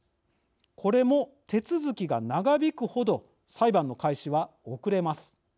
これも手続きが長引くほど裁判の開始は遅れます。